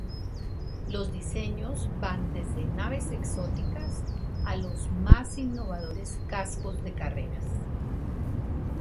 Los diseños van desde naves exóticas, a los más innovadores cascos de carreras.